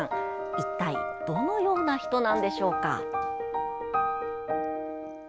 一体どのような人なのでしょうか？